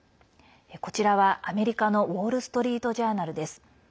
こちらは、アメリカのウォール・ストリート・ジャーナルです。